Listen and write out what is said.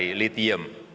batu baterai lithium